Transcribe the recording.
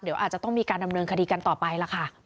เดี๋ยวอาจจะต้องมีการดำเนินคดีกันต่อไปล่ะค่ะ